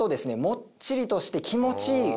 もっちりとして気持ちいい。